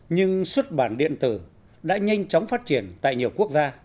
nhưng xuất bản điện tử đã nhanh chóng phát triển tại nhiều quốc gia